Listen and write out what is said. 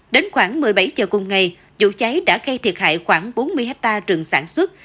đến khoảng một mươi bảy giờ cùng ngày vụ cháy đã gây thiệt hại khoảng bốn mươi hectare rừng sản xuất